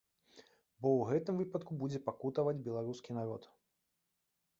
Бо ў гэтым выпадку будзе пакутаваць беларускі народ.